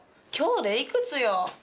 今日でいくつよ？